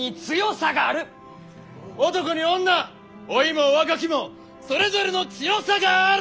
男に女老いも若きもそれぞれの強さがある！